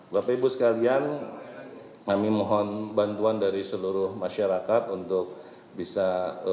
bapak ibu sekalian kami mohon bantuan dari seluruh masyarakat untuk bisa